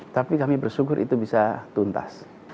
tapi kami bersyukur itu bisa tuntas